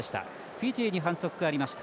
フィジーに反則がありました。